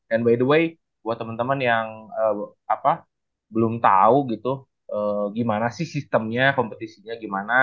and by the way buat teman teman yang belum tahu gitu gimana sih sistemnya kompetisinya gimana